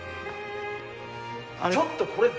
ちょっとこれ。